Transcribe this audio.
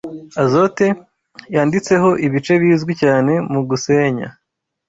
azote yanditseho ibice bizwi cyane mu gusenya